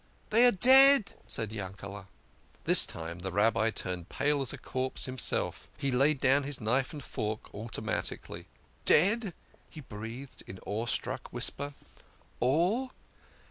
"They are dead !" said Yankele. THE KING OF SCHNORRERS. This time the Rabbi turned pale as a corpse himself. He laid down his knife and fork automatically. "D dead," he breathed in an awestruck whisper. "All?"